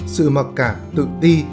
sự mặc cảm tự ti